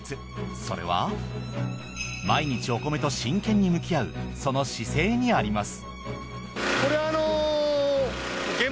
それは毎日お米と真剣に向き合うその姿勢にあります。